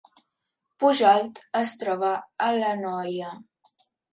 Pujalt es troba a l’Anoia